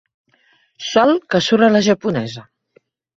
Sol que surt a la japonesa.